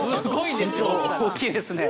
身長大きいですね。